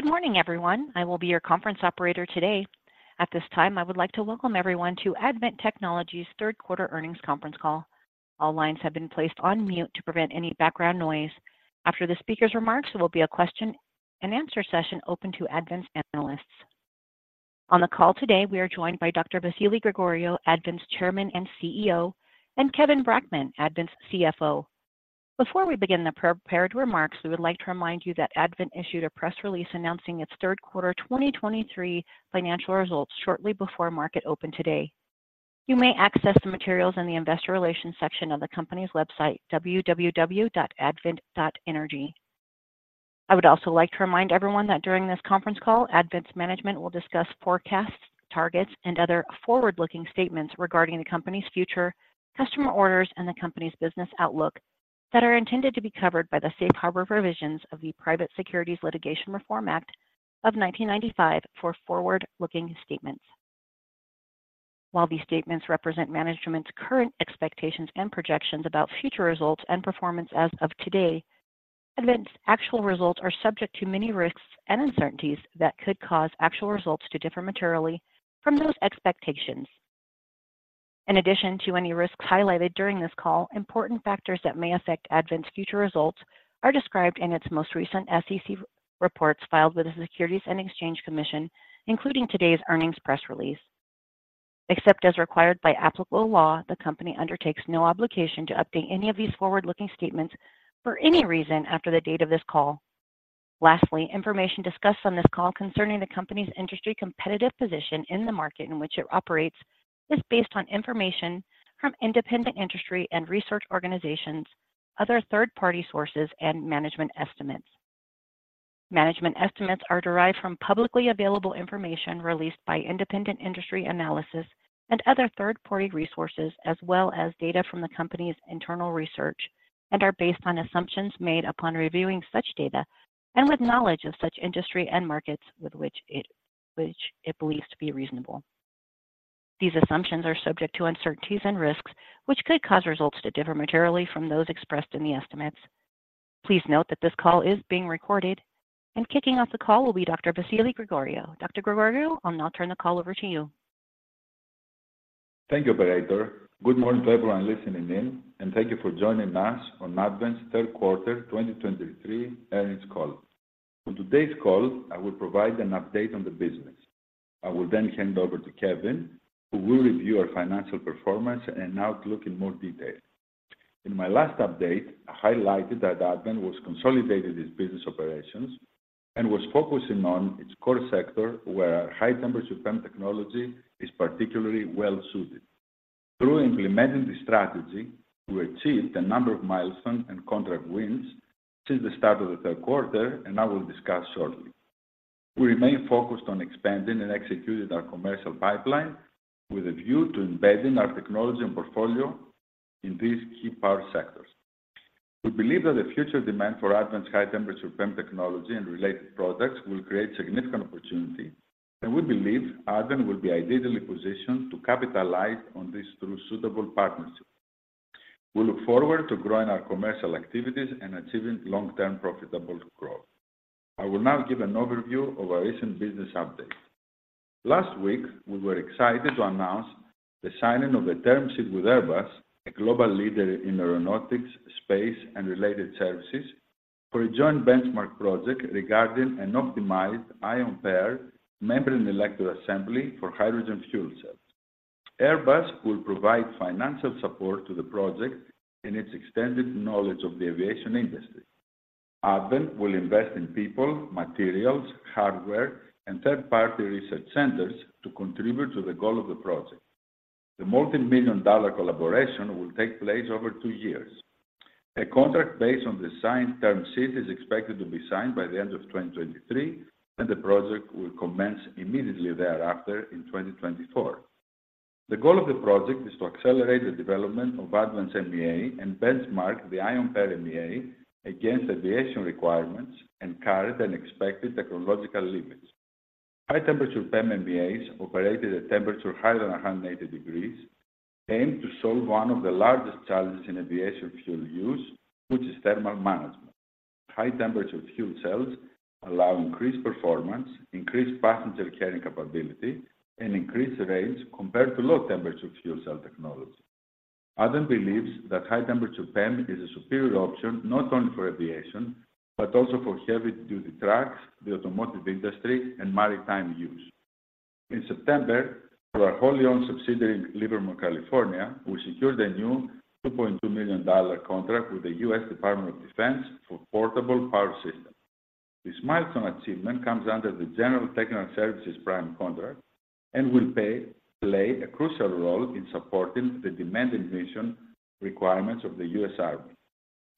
Good morning, everyone. I will be your conference operator today. At this time, I would like to welcome everyone to Advent Technologies' third quarter earnings conference call. All lines have been placed on mute to prevent any background noise. After the speaker's remarks, there will be a question and answer session open to Advent's analysts. On the call today, we are joined by Dr. Vasilis Gregoriou, Advent's Chairman and CEO, and Kevin Brackman, Advent's CFO. Before we begin the prepared remarks, we would like to remind you that Advent issued a press release announcing its third quarter 2023 financial results shortly before market open today. You may access the materials in the investor relations section of the company's website, www.advent.energy. I would also like to remind everyone that during this conference call, Advent's management will discuss forecasts, targets, and other forward-looking statements regarding the company's future, customer orders, and the company's business outlook that are intended to be covered by the Safe Harbor provisions of the Private Securities Litigation Reform Act of 1995 for forward-looking statements. While these statements represent management's current expectations and projections about future results and performance as of today, Advent's actual results are subject to many risks and uncertainties that could cause actual results to differ materially from those expectations. In addition to any risks highlighted during this call, important factors that may affect Advent's future results are described in its most recent SEC reports filed with the Securities and Exchange Commission, including today's earnings press release. Except as required by applicable law, the company undertakes no obligation to update any of these forward-looking statements for any reason after the date of this call. Lastly, information discussed on this call concerning the company's industry competitive position in the market in which it operates is based on information from independent industry and research organizations, other third-party sources, and management estimates. Management estimates are derived from publicly available information released by independent industry analysis and other third-party resources, as well as data from the company's internal research, and are based on assumptions made upon reviewing such data and with knowledge of such industry and markets which it believes to be reasonable. These assumptions are subject to uncertainties and risks, which could cause results to differ materially from those expressed in the estimates. Please note that this call is being recorded, and kicking off the call will be Dr. Vasilis Gregoriou. Dr. Gregoriou, I'll now turn the call over to you. Thank you, operator. Good morning to everyone listening in, and thank you for joining us on Advent's third quarter 2023 earnings call. On today's call, I will provide an update on the business. I will then hand over to Kevin, who will review our financial performance and outlook in more detail. In my last update, I highlighted that Advent was consolidating its business operations and was focusing on its core sector, where our high temperature PEM technology is particularly well suited. Through implementing this strategy, we achieved a number of milestones and contract wins since the start of the third quarter, and I will discuss shortly. We remain focused on expanding and executing our commercial pipeline with a view to embedding our technology and portfolio in these key power sectors. We believe that the future demand for Advent's high temperature PEM technology and related products will create significant opportunity, and we believe Advent will be ideally positioned to capitalize on this through suitable partnerships. We look forward to growing our commercial activities and achieving long-term profitable growth. I will now give an overview of our recent business update. Last week, we were excited to announce the signing of a term sheet with Airbus, a global leader in aeronautics, space, and related services, for a joint benchmark project regarding an optimized Ion Pair Membrane Electrode Assembly for hydrogen fuel cells. Airbus will provide financial support to the project and its extensive knowledge of the aviation industry. Advent will invest in people, materials, hardware, and third-party research centers to contribute to the goal of the project. The multi-million dollar collaboration will take place over two years. A contract based on the signed term sheet is expected to be signed by the end of 2023, and the project will commence immediately thereafter in 2024. The goal of the project is to accelerate the development of Advent's MEA and benchmark the Ion Pair MEA against aviation requirements and current and expected technological limits. High temperature PEM MEAs, operated at temperature higher than 180 degrees, aim to solve one of the largest challenges in aviation fuel use, which is thermal management. High temperature fuel cells allow increased performance, increased passenger carrying capability, and increased range compared to low temperature fuel cell technology. Advent believes that high temperature PEM is a superior option not only for aviation, but also for heavy-duty trucks, the automotive industry, and maritime use. In September, through our wholly owned subsidiary in Livermore, California, we secured a new $2.2 million contract with the U.S. Department of Defense for portable power systems. This milestone achievement comes under the General Technical Services prime contract and will play a crucial role in supporting the demanding mission requirements of the U.S. Army.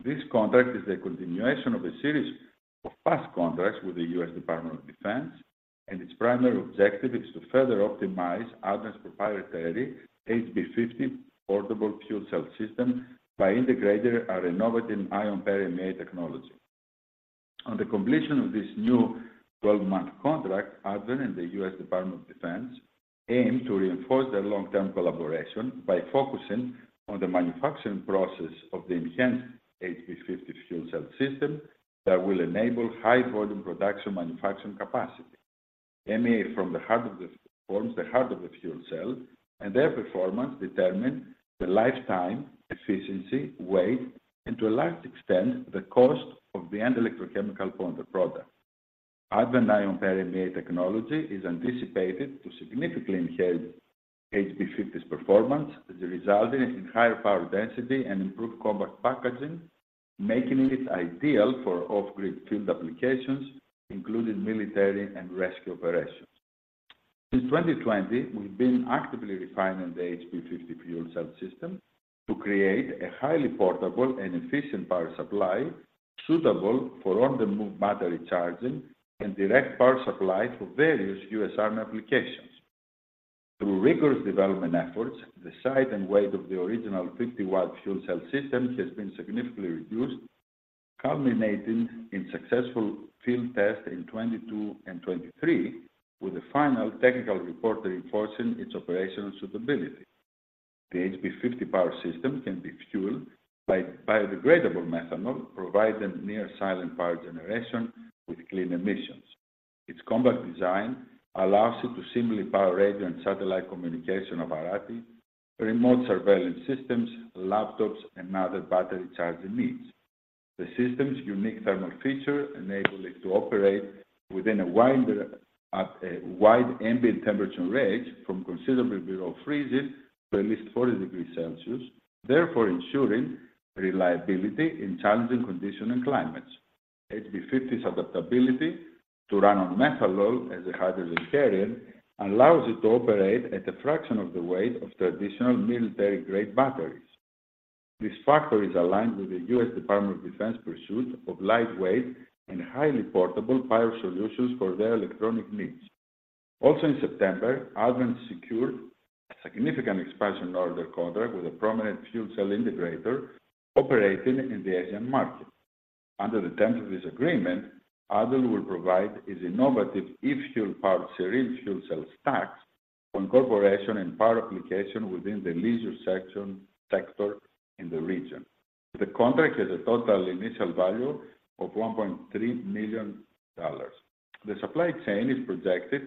This contract is a continuation of a series of past contracts with the U.S. Department of Defense, and its primary objective is to further optimize Advent's proprietary HB50 portable fuel cell system by integrating our innovative Ion Pair MEA technology. On the completion of this new 12-month contract, Advent and the U.S. Department of Defense aim to reinforce their long-term collaboration by focusing on the manufacturing process of the enhanced HB50 fuel cell system that will enable high volume production manufacturing capacity. MEA forms the heart of the fuel cell, and their performance determine the lifetime, efficiency, weight, and to a large extent, the cost of the end electrochemical product. Advent Ion Pair MEA technology is anticipated to significantly enhance HB50's performance, resulting in higher power density and improved combat packaging, making it ideal for off-grid field applications, including military and rescue operations. Since 2020, we've been actively refining the HB50 fuel cell system to create a highly portable and efficient power supply suitable for on-the-move battery charging and direct power supply for various U.S. Army applications. Through rigorous development efforts, the size and weight of the original 50-watt fuel cell system has been significantly reduced, culminating in successful field tests in 2022 and 2023, with a final technical report reinforcing its operational suitability. The HB50 power system can be fueled by biodegradable methanol, providing near-silent power generation with clean emissions. Its compact design allows it to seamlessly power radio and satellite communication of RFI, remote surveillance systems, laptops, and other battery charging needs. The system's unique thermal feature enable it to operate within a wider, wide ambient temperature range, from considerably below freezing to at least 40 degrees Celsius, therefore ensuring reliability in challenging conditions and climates. HB50's adaptability to run on methanol as a hydrogen carrier allows it to operate at a fraction of the weight of traditional military-grade batteries. This factor is aligned with the U.S. Department of Defense pursuit of lightweight and highly portable power solutions for their electronic needs. Also, in September, Advent secured a significant expansion order contract with a prominent fuel cell integrator operating in the Asian market. Under the terms of this agreement, Advent will provide its innovative e-fuel power Serene fuel cell stacks for incorporation and power application within the leisure section, sector in the region. The contract has a total initial value of $1.3 million. The supply chain is projected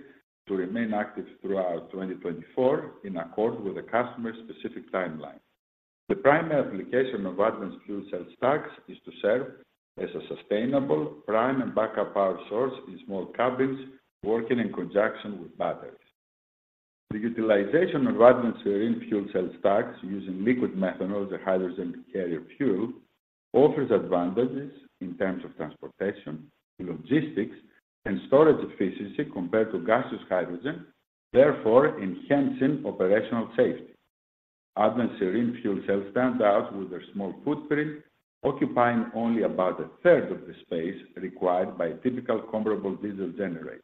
to remain active throughout 2024, in accord with the customer's specific timeline. The primary application of Advent's fuel cell stacks is to serve as a sustainable prime and backup power source in small cabins working in conjunction with batteries. The utilization of Advent's Serene fuel cell stacks using liquid methanol as a hydrogen carrier fuel, offers advantages in terms of transportation, logistics, and storage efficiency compared to gaseous hydrogen, therefore enhancing operational safety. Advent Serene fuel cells stand out with their small footprint, occupying only about a third of the space required by a typical comparable diesel generator.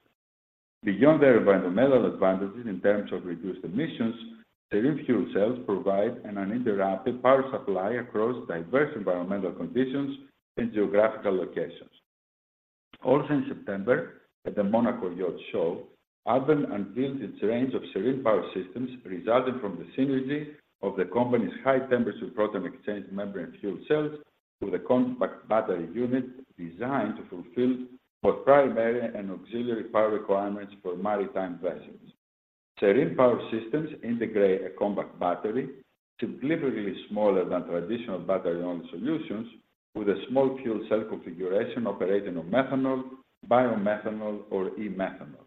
Beyond their environmental advantages in terms of reduced emissions, Serene fuel cells provide an uninterrupted power supply across diverse environmental conditions and geographical locations. Also, in September, at the Monaco Yacht Show, Advent unveiled its range of Serene Power Systems, resulting from the synergy of the company's high-temperature proton exchange membrane fuel cells with a compact battery unit designed to fulfill both primary and auxiliary power requirements for maritime vessels. Serene Power Systems integrate a compact battery, significantly smaller than traditional battery-only solutions, with a small fuel cell configuration operating on methanol, biomethanol, or e-Methanol.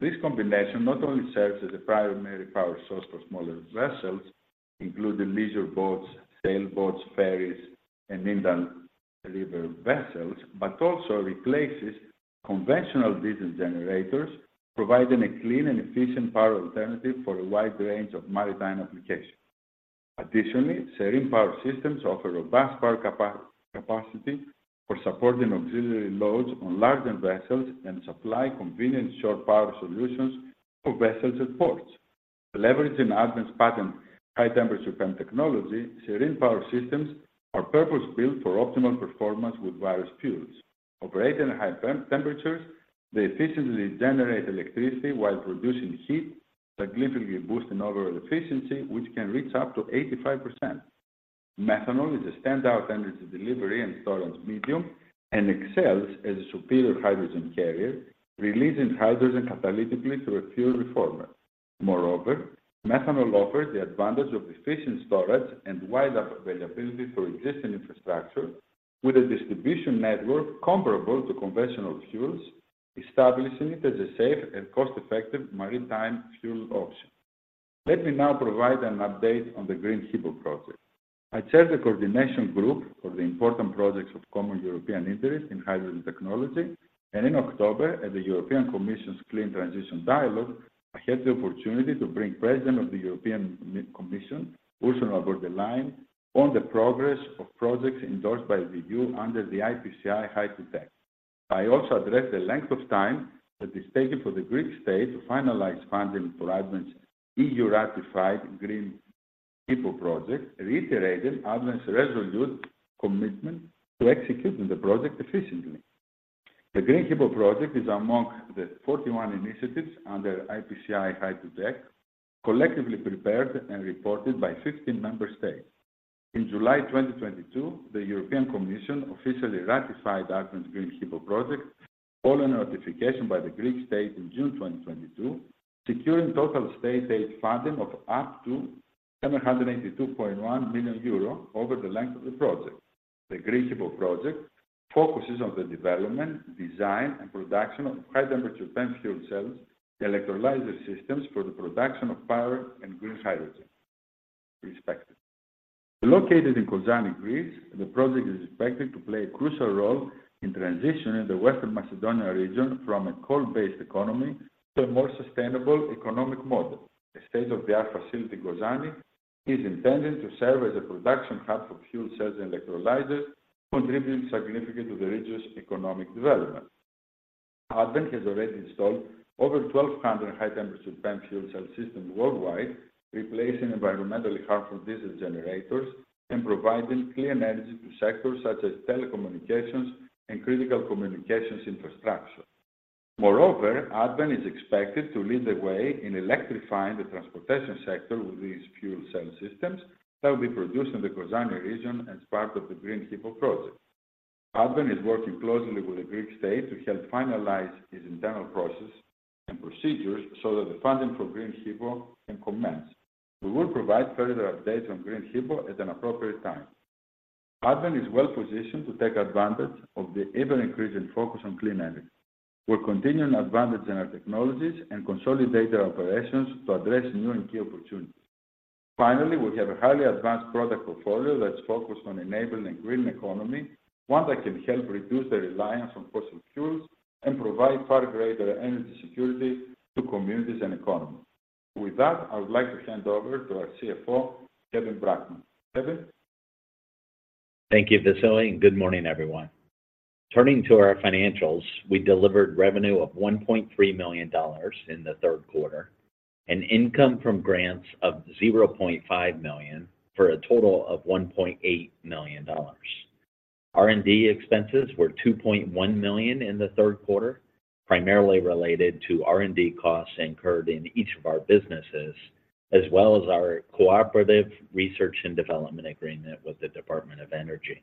This combination not only serves as a primary power source for smaller vessels, including leisure boats, sailboats, ferries, and inland river vessels, but also replaces conventional diesel generators, providing a clean and efficient power alternative for a wide range of maritime applications. Additionally, Serene Power Systems offer robust power capacity for supporting auxiliary loads on larger vessels and supply convenient shore power solutions for vessels at ports. Leveraging Advent's patented high-temperature PEM technology, Serene Power Systems are purpose-built for optimal performance with various fuels. Operating at high temperatures, they efficiently generate electricity while reducing heat, significantly boosting overall efficiency, which can reach up to 85%. Methanol is a standout energy delivery and storage medium and excels as a superior hydrogen carrier, releasing hydrogen catalytically through a fuel reformer. Moreover, methanol offers the advantage of efficient storage and wide availability for existing infrastructure, with a distribution network comparable to conventional fuels, establishing it as a safe and cost-effective maritime fuel option. Let me now provide an update on the Green HiPo project. I chair the coordination group for the Important Projects of Common European Interest in hydrogen technology, and in October, at the European Commission's Clean Transition Dialogue, I had the opportunity to bring President of the European Commission, Ursula von der Leyen, on the progress of projects endorsed by the E.U. under the IPCEI Hy2Tech. I also addressed the length of time that is taken for the Greek state to finalize funding for Advent's E.U.-ratified Green HiPo project, reiterating Advent's resolute commitment to executing the project efficiently. The Green HiPo project is among the 41 initiatives under IPCEI Hy2Tech, collectively prepared and reported by 15 member states. In July 2022, the European Commission officially ratified Advent's Green HiPo project, following a notification by the Greek state in June 2022, securing total state aid funding of up to 782.1 million euro over the length of the project. The Green HiPo project focuses on the development, design, and production of high-temperature PEM fuel cells, electrolyzer systems for the production of power and green hydrogen, respectively. Located in Kozani, Greece, the project is expected to play a crucial role in transitioning the Western Macedonia region from a coal-based economy to a more sustainable economic model. The state-of-the-art facility in Kozani is intended to serve as a production hub for fuel cells and electrolyzers, contributing significantly to the region's economic development. Advent has already installed over 1,200 high-temperature PEM fuel cell systems worldwide, replacing environmentally harmful diesel generators and providing clean energy to sectors such as telecommunications and critical communications infrastructure. Moreover, Advent is expected to lead the way in electrifying the transportation sector with these fuel cell systems that will be produced in the Kozani region as part of the Green HiPo project. Advent is working closely with the Greek state to help finalize its internal process and procedures so that the funding for Green HiPo can commence. We will provide further updates on Green HiPo at an appropriate time. Advent is well positioned to take advantage of the ever-increasing focus on clean energy. We're continuing advancing our technologies and consolidating our operations to address new and key opportunities. Finally, we have a highly advanced product portfolio that's focused on enabling a green economy, one that can help reduce the reliance on fossil fuels and provide far greater energy security to communities and economies. With that, I would like to hand over to our CFO, Kevin Brackman. Kevin? Thank you, Vasilis, and good morning, everyone. Turning to our financials, we delivered revenue of $1.3 million in the third quarter, and income from grants of $0.5 million, for a total of $1.8 million. R&D expenses were $2.1 million in the third quarter, primarily related to R&D costs incurred in each of our businesses, as well as our cooperative research and development agreement with the Department of Energy.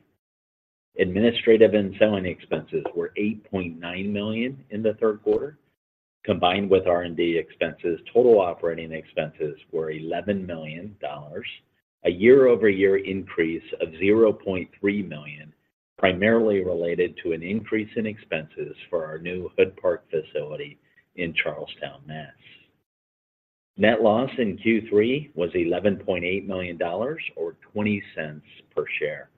Administrative and selling expenses were $8.9 million in the third quarter. Combined with R&D expenses, total operating expenses were $11 million, a year-over-year increase of $0.3 million, primarily related to an increase in expenses for our new Hood Park facility in Charlestown, Massachusetts. Net loss in Q3 was $11.8 million, or $0.20 per share.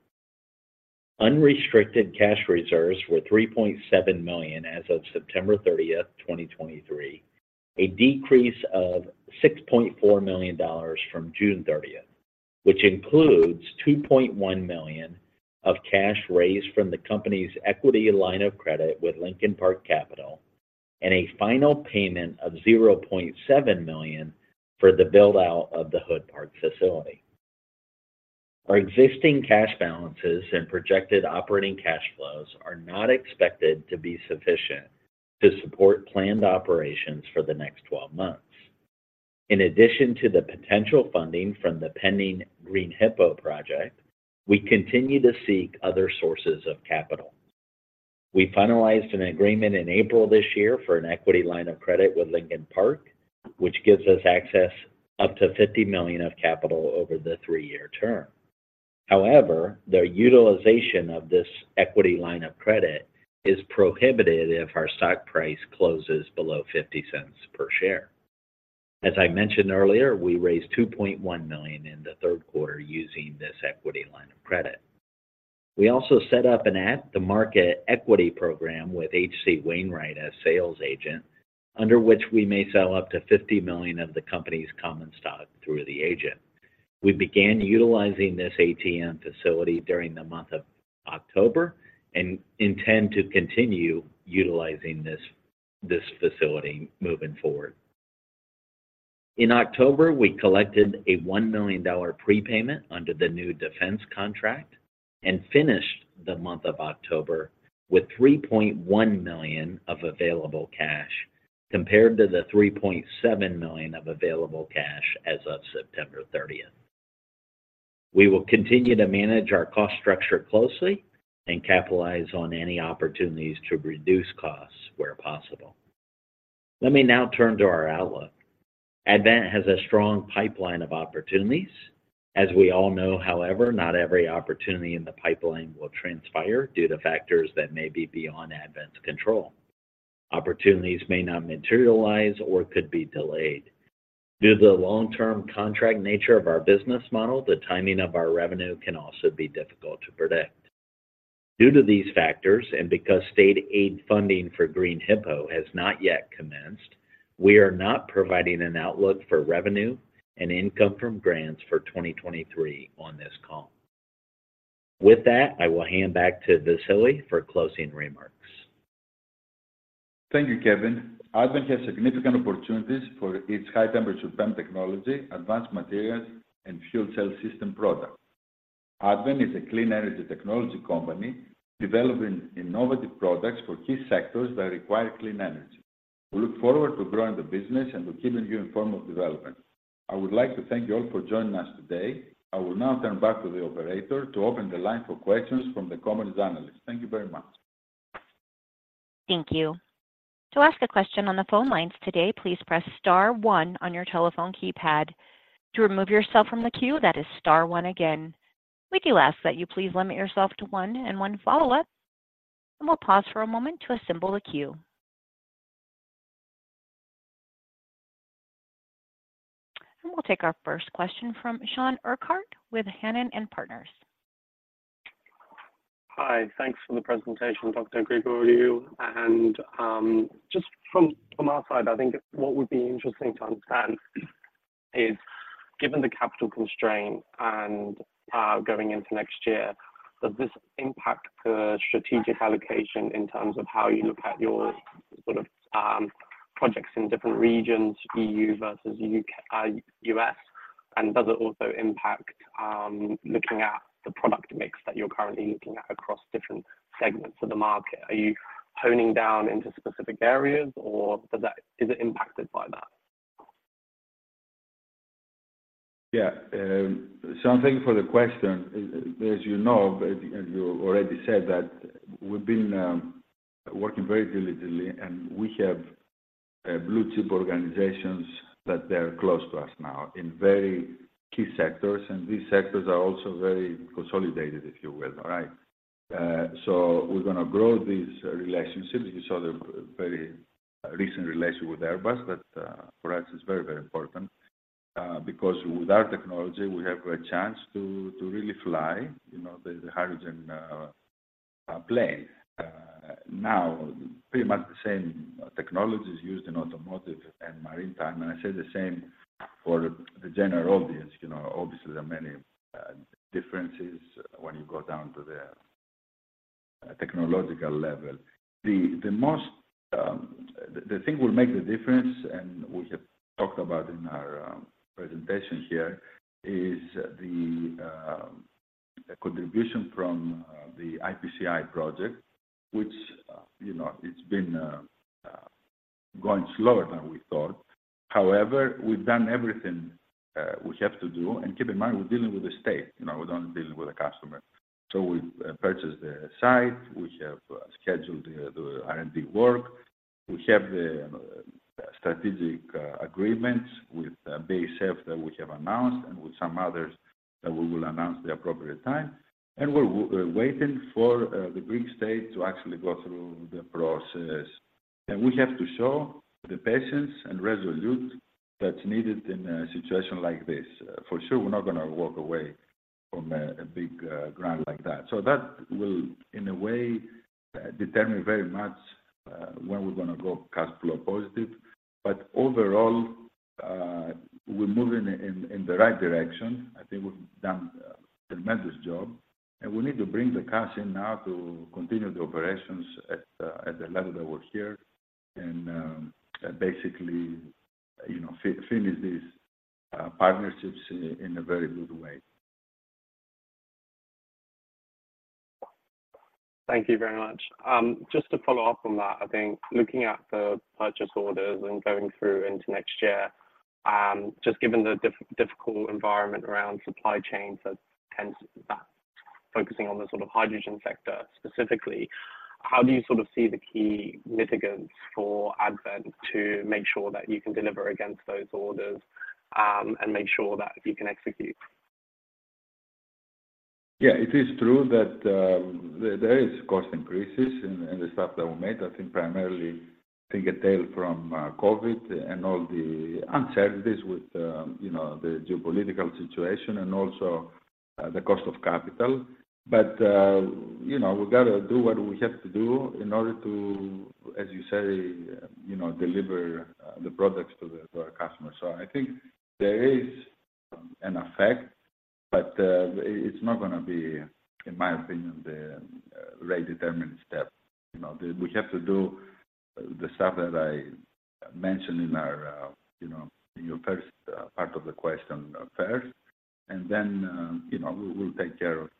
Unrestricted cash reserves were $3.7 million as of September 30, 2023, a decrease of $6.4 million from June 30, which includes $2.1 million of cash raised from the company's equity line of credit with Lincoln Park Capital, and a final payment of $0.7 million for the build-out of the Hood Park facility. Our existing cash balances and projected operating cash flows are not expected to be sufficient to support planned operations for the next 12 months. In addition to the potential funding from the pending Green HiPo project, we continue to seek other sources of capital. We finalized an agreement in April this year for an equity line of credit with Lincoln Park, which gives us access up to $50 million of capital over the three-year term. However, the utilization of this equity line of credit is prohibited if our stock price closes below $0.50 per share. As I mentioned earlier, we raised $2.1 million in the third quarter using this equity line of credit. We also set up an at-the-market equity program with HC Wainwright as sales agent, under which we may sell up to $50 million of the company's common stock through the agent. We began utilizing this ATM facility during the month of October and intend to continue utilizing this, this facility moving forward. In October, we collected a $1 million prepayment under the new defense contract and finished the month of October with $3.1 million of available cash, compared to the $3.7 million of available cash as of September 30th. We will continue to manage our cost structure closely and capitalize on any opportunities to reduce costs where possible. Let me now turn to our outlook. Advent has a strong pipeline of opportunities. As we all know, however, not every opportunity in the pipeline will transpire due to factors that may be beyond Advent's control. Opportunities may not materialize or could be delayed. Due to the long-term contract nature of our business model, the timing of our revenue can also be difficult to predict. Due to these factors, and because state aid funding for Green HiPo has not yet commenced, we are not providing an outlook for revenue and income from grants for 2023 on this call. With that, I will hand back to Vasilis for closing remarks. ... Thank you, Kevin. Advent has significant opportunities for its high temperature PEM technology, advanced materials, and fuel cell system products. Advent is a clean energy technology company developing innovative products for key sectors that require clean energy. We look forward to growing the business and to keeping you informed of developments. I would like to thank you all for joining us today. I will now turn back to the operator to open the line for questions from the analysts. Thank you very much. Thank you. To ask a question on the phone lines today, please press star one on your telephone keypad. To remove yourself from the queue, that is star one again. We do ask that you please limit yourself to one and one follow-up, and we'll pause for a moment to assemble the queue. We'll take our first question from Sean Urquhart with Hannam & Partners. Hi. Thanks for the presentation, Dr. Gregoriou. And just from our side, I think what would be interesting to understand is, given the capital constraint and going into next year, does this impact the strategic allocation in terms of how you look at your sort of projects in different regions, E.U. versus U.K., U.S.? And does it also impact looking at the product mix that you're currently looking at across different segments of the market? Are you honing down into specific areas, or does that- is it impacted by that? Yeah, so thank you for the question. As you know, as you already said, that we've been working very diligently, and we have blue-chip organizations that they are close to us now in very key sectors, and these sectors are also very consolidated, if you will. All right? So we're gonna grow these relationships. You saw the very recent relationship with Airbus, that for us, is very, very important, because with our technology, we have a chance to really fly, you know, the hydrogen plane. Now, pretty much the same technology is used in automotive and maritime, and I say the same for the general audience. You know, obviously, there are many differences when you go down to the technological level. The most... The thing will make the difference, and we have talked about in our presentation here, is the contribution from the IPCEI project, which, you know, it's been going slower than we thought. However, we've done everything we have to do. And keep in mind, we're dealing with the state, you know, we're only dealing with a customer. So we've purchased the site, we have scheduled the R&D work, we have the strategic agreements with BASF that we have announced and with some others that we will announce the appropriate time, and we're waiting for the Greek state to actually go through the process. And we have to show the patience and resolute that's needed in a situation like this. For sure, we're not gonna walk away from a big grant like that. So that will, in a way, determine very much when we're gonna go cash flow positive. But overall, we're moving in the right direction. I think we've done a tremendous job, and we need to bring the cash in now to continue the operations at the level that we're here and basically, you know, finish these partnerships in a very good way. Thank you very much. Just to follow up on that, I think looking at the purchase orders and going through into next year, just given the difficult environment around supply chains, that tends that focusing on the sort of hydrogen sector specifically, how do you sort of see the key mitigants for Advent to make sure that you can deliver against those orders, and make sure that you can execute? Yeah, it is true that, there, there is cost increases in, in the stuff that we made. I think primarily take a tail from, COVID and all the uncertainties with, you know, the geopolitical situation and also, the cost of capital. But, you know, we gotta do what we have to do in order to, as you say, you know, deliver, the products to the, to our customers. So I think there is an effect, but, it's not gonna be, in my opinion, the, rate determining step. You know, we have to do the stuff that I mentioned in our, you know, in your first, part of the question first, and then, you know, we'll, we'll take care of,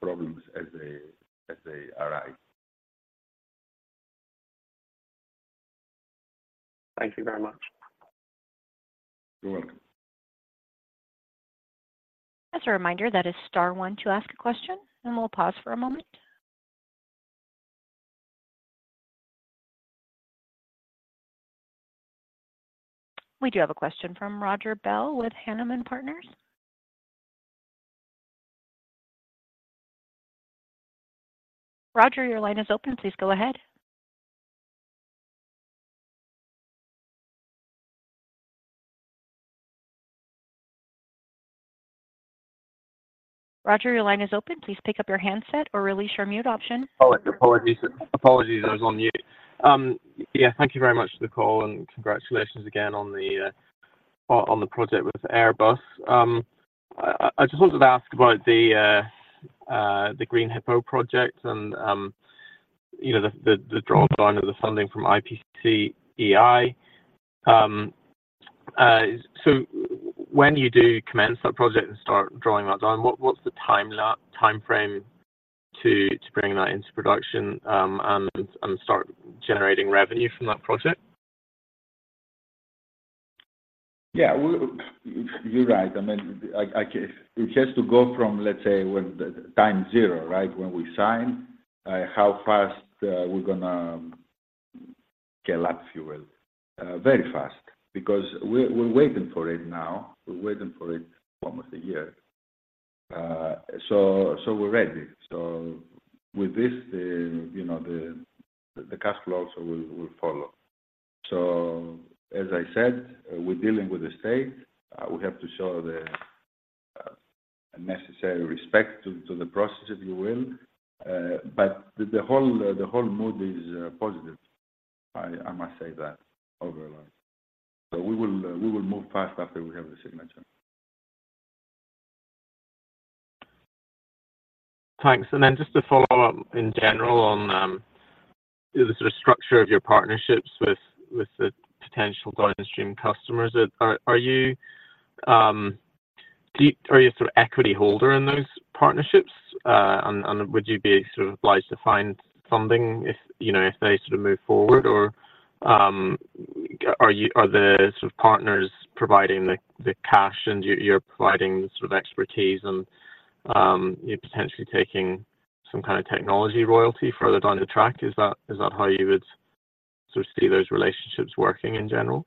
problems as they, as they arise. Thank you very much. You're welcome. As a reminder, that is star one to ask a question, and we'll pause for a moment. We do have a question from Roger Bell with Hannam & Partners. Roger, your line is open. Please go ahead. Roger, your line is open. Please pick up your handset or release your mute option. Apologies. Apologies, I was on mute. Yeah, thank you very much for the call, and congratulations again on the project with Airbus. I just wanted to ask about the Green HiPo project and, you know, the drawdown of the funding from IPCEI. So when you do commence that project and start drawing that down, what's the timeline, time frame to bring that into production, and start generating revenue from that project? Yeah, we, you're right. I mean, it has to go from, let's say, when the time zero, right? When we sign, how fast, we're gonna get up, if you will. Very fast, because we're waiting for it now. We're waiting for it for almost a year. So we're ready. So with this, you know, the cash flow also will follow. So as I said, we're dealing with the state. We have to show the necessary respect to the process, if you will. But the whole mood is positive. I must say that overall. So we will move fast after we have the signature. Thanks. And then just to follow up in general on the sort of structure of your partnerships with the potential downstream customers. Are you a sort of equity holder in those partnerships? And would you be sort of obliged to find funding if, you know, if they sort of move forward or are the sort of partners providing the cash and you, you're providing the sort of expertise and you're potentially taking some kind of technology royalty further down the track? Is that how you would sort of see those relationships working in general?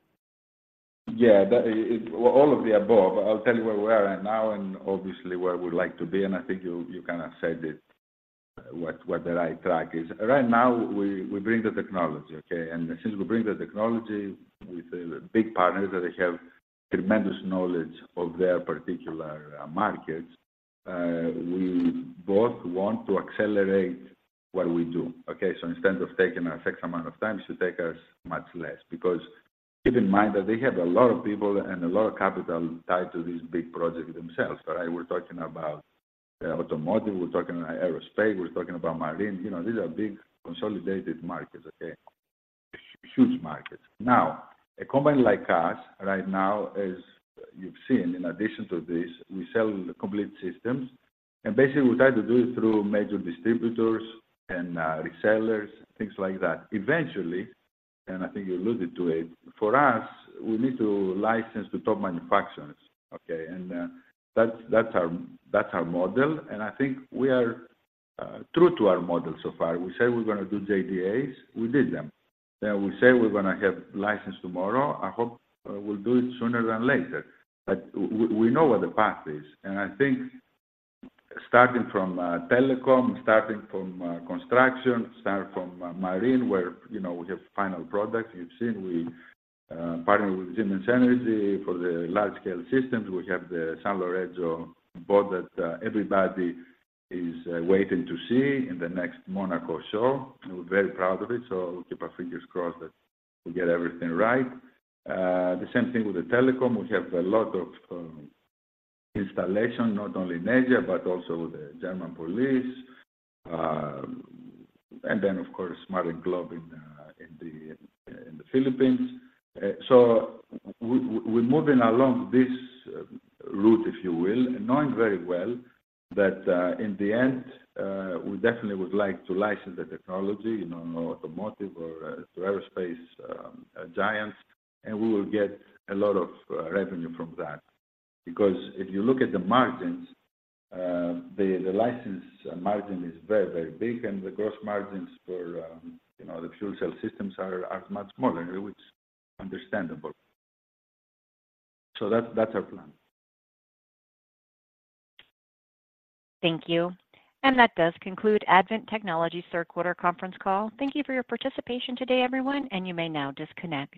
Yeah, that... Well, all of the above. I'll tell you where we are right now and obviously where we'd like to be, and I think you kinda said it, what the right track is. Right now, we bring the technology, okay? And since we bring the technology with the big partners, that they have tremendous knowledge of their particular markets, we both want to accelerate what we do, okay? So instead of taking a X amount of time, it should take us much less. Because keep in mind that they have a lot of people and a lot of capital tied to these big projects themselves. Right? We're talking about automotive, we're talking about aerospace, we're talking about marine. You know, these are big consolidated markets, okay? Huge markets. Now, a company like us right now, as you've seen, in addition to this, we sell complete systems, and basically, we try to do it through major distributors and resellers, things like that. Eventually, and I think you alluded to it, for us, we need to license the top manufacturers, okay? And that's, that's our, that's our model, and I think we are true to our model so far. We said we're gonna do JDAs, we did them. We said we're gonna have license tomorrow, I hope we'll do it sooner than later. But we know where the path is, and I think starting from telecom, starting from construction, start from marine, where, you know, we have final products. You've seen, we partner with Siemens Energy for the large-scale systems. We have the Sanlorenzo boat that, everybody is waiting to see in the next Monaco show. We're very proud of it, so we keep our fingers crossed that we get everything right. The same thing with the telecom. We have a lot of installation, not only in Asia, but also with the German police, and then, of course, Smart and Globe in the Philippines. So we're moving along this route, if you will, knowing very well that, in the end, we definitely would like to license the technology, you know, in automotive or through aerospace giants, and we will get a lot of revenue from that. Because if you look at the margins, the license margin is very, very big, and the gross margins for, you know, the fuel cell systems are much smaller, which is understandable. So that's our plan. Thank you. That does conclude Advent Technologies third quarter conference call. Thank you for your participation today, everyone, and you may now disconnect.